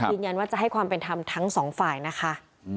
ยืนยันว่าจะให้ความเป็นธรรมทั้งสองฝ่ายนะคะ